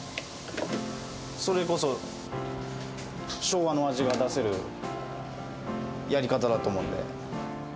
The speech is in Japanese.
それこそ昭和の味が出せるやり方だと思うんで。